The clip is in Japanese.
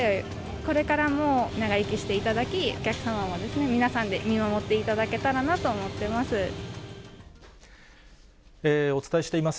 これからも長生きしていただき、お客様に皆さんで見守っていただけたらなと思ってます。